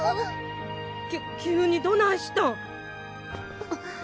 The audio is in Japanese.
きゅ急にどないしたん？